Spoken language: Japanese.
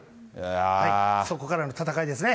そこからの戦いですね。